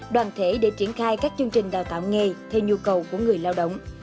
đoàn thể để triển khai các chương trình đào tạo nghề theo nhu cầu của người lao động